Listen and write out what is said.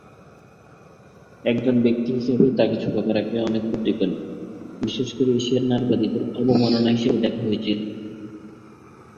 একজন ব্যক্তি হিসেবে তাকে ছোট করাকে অনেক কুর্দি কর্মী, বিশেষ করে এশিয়ার নারীবাদীদের অবমাননা হিসাবে দেখা হয়েছিল।